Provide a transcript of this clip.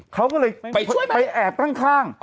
เขาก็เลยไปแอบข้าง